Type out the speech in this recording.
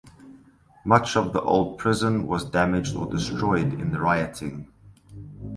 Much of the old prison was damaged or destroyed in the rioting.